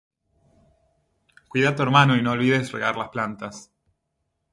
¡Cuida de tu hermano! ¡Y no olvides regar las plantas!